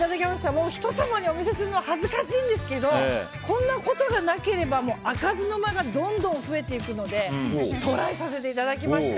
もう、人様にお見せするのは恥ずかしいですがこんなことがなければ開かずの間がどんどん増えていくのでトライさせていただきました。